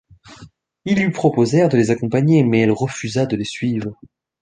Ils lui proposèrent de les accompagner, mais elle refusa de les suivre.